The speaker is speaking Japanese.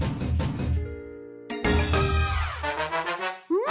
うん！